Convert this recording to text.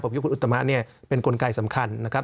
ผมคิดว่าคุณอุตมะเนี่ยเป็นกลไกสำคัญนะครับ